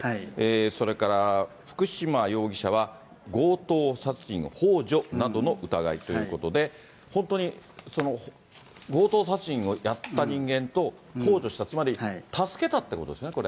それから福島容疑者は強盗殺人のほう助などの疑いということで、本当に強盗殺人をやった人間と、ほう助した、つまり助けたってことですね、これ。